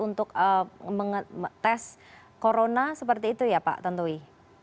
untuk meng tes corona seperti itu ya pak tantowi